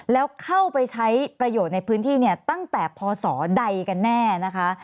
แล้วเข้าไปใช้ประโยชน์ในพื้นที่เนี่ยตั้งแต่พศใดกันแน่นะคะ